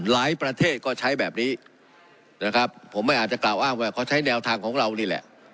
หลายประเทศก็ได้ใช้แบบนี้ผมไม่อาจกล่าวอ้างว่าเขาใช้แนวทางของเราสิแหละ